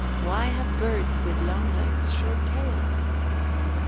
_Why have birds with long legs short tails?